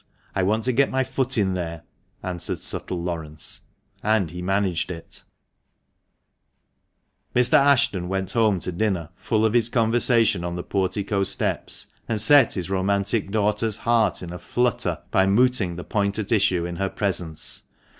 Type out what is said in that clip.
I want to get my foot in there," answered subtle Laurence. And he managed it Mr. Ashton went home to dinner full of his conversation on the Portico steps, and set his romantic daughter's heart in a flutter by mooting the point at issue in her presence.